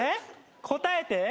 答えて？